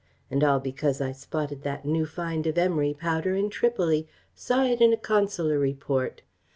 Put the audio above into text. And all because I spotted that new find of emery powder in Tripoli, saw it in a Consular Report....